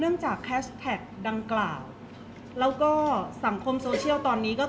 เพราะว่าสิ่งเหล่านี้มันเป็นสิ่งที่ไม่มีพยาน